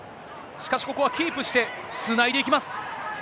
しかし、ここはキープして、つないでいきます。